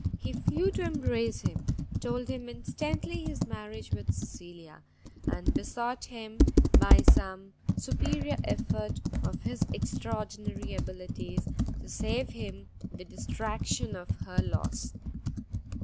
He flew to embrace him, told him instantly his marriage with Cecilia, and besought him by some superior effort of his extraordinary abilities to save him the distraction of her loss.